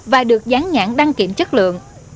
và được gián nhãn đăng kiểm chất lượng